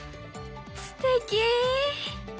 すてき！